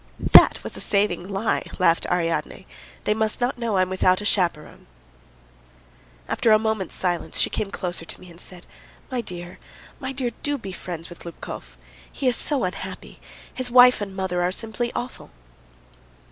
"That was a saving lie," laughed Ariadne. "They must not know I'm without a chaperon." After a moment's silence she came closer to me and said: "My dear, my dear, do be friends with Lubkov. He is so unhappy! His wife and mother are simply awful."